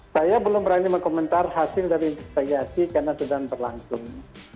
saya belum berani mengkomentar hasil dari investigasi karena sedang berlangsung